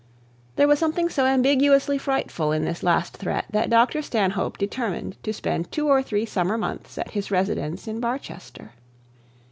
There was something so ambiguously frightful in this last threat that Dr Stanhope determined to spend two or three summer months at his residence in Barchester.